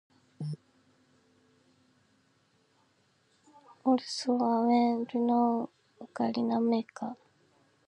Pacchioni is also a well known ocarina maker.